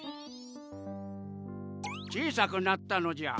小さくなったのじゃ。